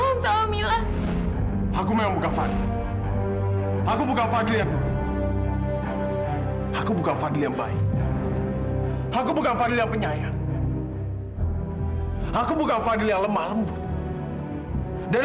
hahaha kenapa gak berb lindung sd